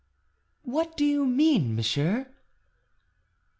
"What do you mean, monsieur?"